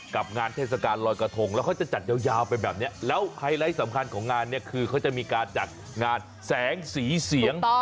กับงานเทศกาลลอยกระทงแล้วเขาจะจัดยาวไปแบบนี้แล้วไฮไลท์สำคัญของงานเนี่ยคือเขาจะมีการจัดงานแสงสีเสียง